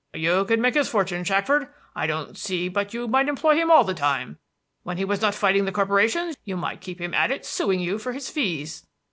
"You could make his fortune, Shackford. I don't see but you might employ him all the time. When he was not fighting the corporations, you might keep him at it suing you for his fees."